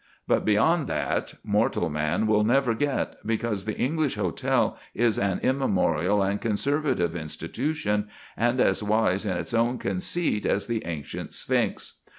But beyond that mortal man will never get, because the English hotel is an immemorial and conservative institution, and as wise in its own conceit as the ancient sphinx.